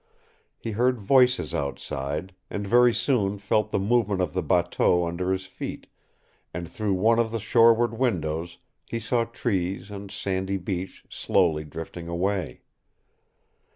He heard voices outside, and very soon felt the movement of the bateau under his feet, and through one of the shoreward windows he saw trees and sandy beach slowly drifting away.